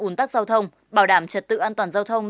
ủn tắc giao thông bảo đảm trật tự an toàn giao thông